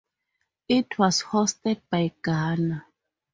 It was hosted by Ghana.